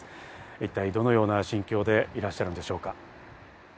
一体、どのような心境でいらっしゃるのでしょうか。